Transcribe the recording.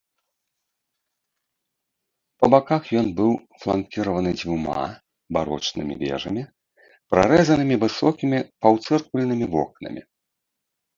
Па баках ён быў фланкіраваны дзвюма барочнымі вежамі, прарэзанымі высокімі паўцыркульнымі вокнамі.